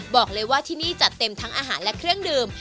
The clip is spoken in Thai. บอกเลยว่าที่นี่จัดเต็มทั้งอาหารและเครื่องดื่ม